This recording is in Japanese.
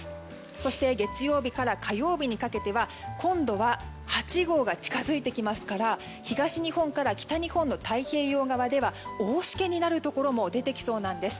そして月曜日から火曜日にかけては今度は８号が近づいてきますから東日本から北日本の太平洋側では大しけになるところも出てきそうなんです。